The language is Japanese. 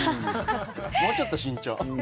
もうちょっと慎重。